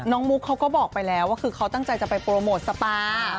มุกเขาก็บอกไปแล้วว่าคือเขาตั้งใจจะไปโปรโมทสปา